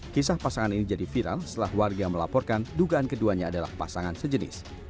kisah pasangan ini jadi viral setelah warga melaporkan dugaan keduanya adalah pasangan sejenis